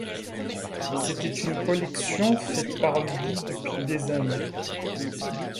C'était une collection faite par lui, depuis des années.